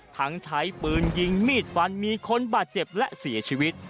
ทั้งใช้ปืนยิงมีดฟันมีคนบาดเจ็บและเสียชีวิต